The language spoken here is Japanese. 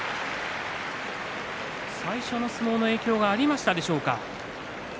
最初の相撲の影響がありましたでしょうか。